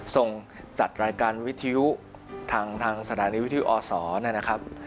ส่งจัดรายการวิทยุทางสถานีวิทยุอศนะครับ